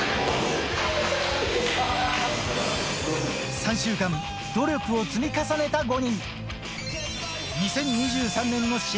３週間、努力を積み重ねた５人。